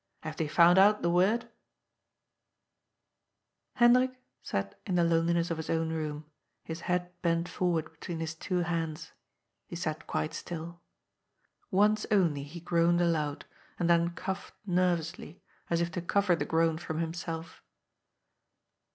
Have they found out the word ?" Hendrik sat in the loneliness of his own room, his head bent forward between his two hands. He sat quite still. Once only he groaned aloud, and then coughed nervously, as if to cover the groan from himself.